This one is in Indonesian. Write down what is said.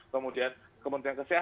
kemudian kementerian kesehatan